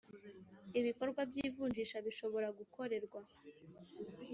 Ibikorwa by ivunjisha bishobora gukorerwa